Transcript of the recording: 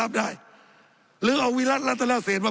สับขาหลอกกันไปสับขาหลอกกันไป